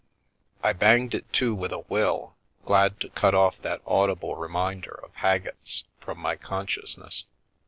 I banged it to with a will, glad tc cut off that audible reminder of Haggett's from my con sciousness.